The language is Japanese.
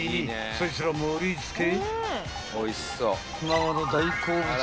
［そいつら盛り付け］